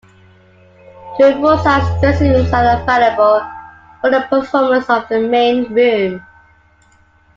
Two full sized dressing rooms are available for the performers of the main room.